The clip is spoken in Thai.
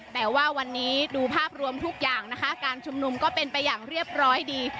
แต่ว่าวันนี้ดูภาพรวมทุกอย่างนะคะการชุมนุมก็เป็นไปอย่างเรียบร้อยดี